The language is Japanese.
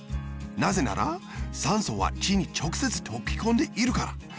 なぜなら酸素は血にちょくせつとけこんでいるから。